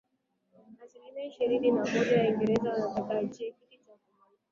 asilimia ishirini na moja ya waingereza wanataka aachie kiti cha umalkia